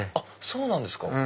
そうなんですか。